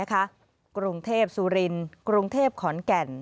กรุงเทพสุรินกรุงเทพขอนแก่น